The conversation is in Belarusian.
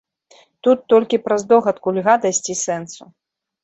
Тут толькі праз здогадку льга дайсці сэнсу.